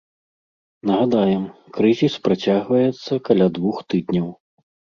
Нагадаем, крызіс працягваецца каля двух тыдняў.